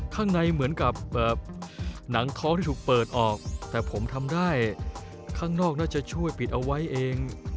ข้างในเหมือนกับหนังท้องที่ถูกเปิดออกแต่ผมทำได้ข้างนอกน่าจะช่วยปิดเอาไว้เอง